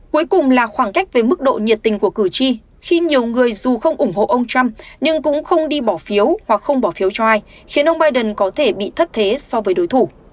cuối cùng là khoảng cách về mức độ nhiệt tình của cử tri khi nhiều người dù không ủng hộ ông trump nhưng cũng không đi bỏ phiếu hoặc không bỏ phiếu cho ai khiến ông biden có thể bị thất thế so với đối thủ